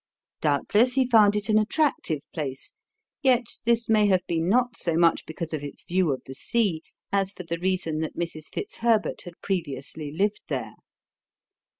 Doubtless he found it an attractive place, yet this may have been not so much because of its view of the sea as for the reason that Mrs. Fitzherbert had previously lived there.